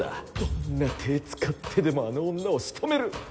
どんな手使ってでもあの女を仕留める！